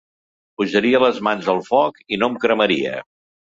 Posaria les mans al foc i no em cremaria.